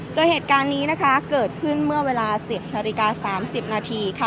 โดยเหตุการณ์นี้นะคะเกิดขึ้นเมื่อเวลา๑๐นาฬิกา๓๐นาทีค่ะ